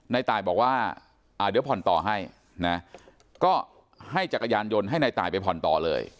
ในตายบอกว่าเดี๋ยวผ่อนต่อให้นะก็ให้จักรยานยนต์ให้นายตายไปผ่อนต่อเลย